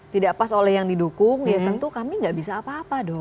tidak pas oleh yang didukung ya tentu kami nggak bisa apa apa dong